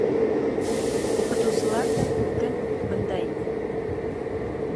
Уҡытыусылар ҙа күптән үк бында ине.